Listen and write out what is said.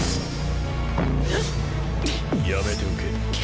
やめておけ。